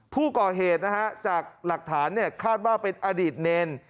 ผู้ก่อเหตุนะฮะจากหลักฐานเนี่ยคาดว่าเป็นอดีตเนร